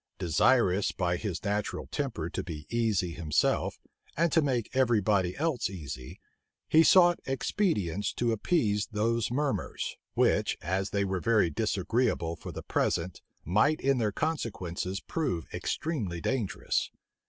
Desirous by his natural temper to be easy himself, and to make every body else easy, he sought expedients to appease those murmurs, which, as they were very disagreeable for the present, might in their consequences prove extremely dangerous.